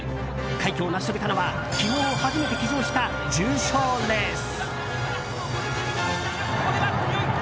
快挙を成し遂げたのは昨日、初めて騎乗した重賞レース。